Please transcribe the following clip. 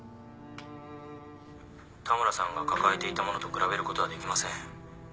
田村さんが抱えていたものと比べることはできません。